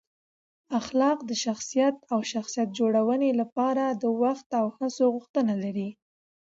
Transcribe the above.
اخلاق د شخصیت او شخصیت جوړونې لپاره د وخت او هڅو غوښتنه لري.